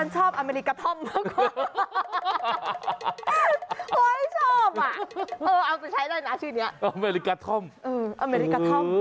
สั่นล่ะแต่ที่ฉันชอบอเมริกาธอมไว้กว่า